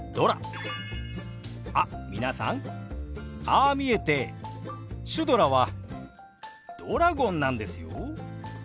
あっ皆さんああ見えてシュドラはドラゴンなんですよ。